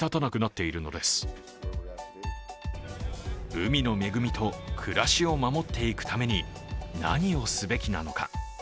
海の恵みと暮らしを守っていくために何をすべきなのか。